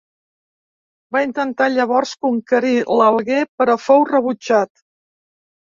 Va intentar llavors conquerir l'Alguer, però fou rebutjat.